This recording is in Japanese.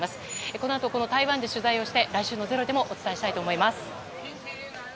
このあと、この台湾で取材をして来週の「ｚｅｒｏ」でもお伝えしたいと思います。